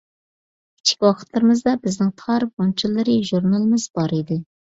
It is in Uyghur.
كىچىك ۋاقىتلىرىمىزدا بىزنىڭ «تارىم غۇنچىلىرى» ژۇرنىلىمىز بار ئىدى.